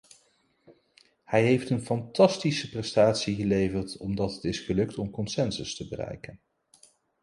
Hij heeft een fantastische prestatie geleverd omdat het is gelukt om consensus te bereiken.